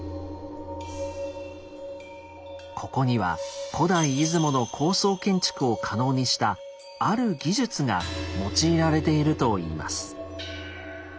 ここには古代出雲の高層建築を可能にしたある技術が用いられているといいます。